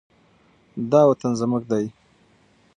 دا وطن زموږ دی.